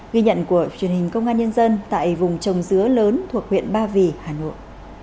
ghi nhận của truyền hình công an nhân dân tại vùng trồng dứa lớn thuộc huyện ba vì hà nội